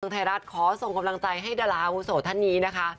เมืองไทยรัฐขอส่งกำลังใจให้ดาราภูโศษท่านนี้นะคะ